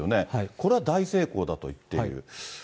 これは大成功だといっている。